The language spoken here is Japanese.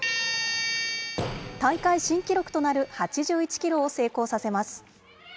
大会新記録となる８１キロを成功させます。